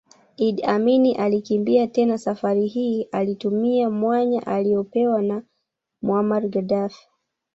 Idi Amin alikimbia tena Safari hii alitumia mwanya aliopewa na Muammar Gaddafi